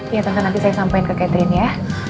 iya tentu nanti saya sampaikan ke catherine ya